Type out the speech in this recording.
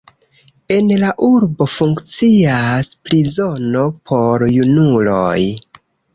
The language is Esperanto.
En la urbo funkcias prizono por junuloj.